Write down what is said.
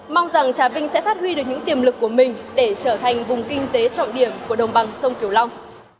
mong rằng trà vinh sẽ phát huy được những tiềm lực của mình để trở thành vùng kinh tế trọng điểm của đồng bằng sông kiều long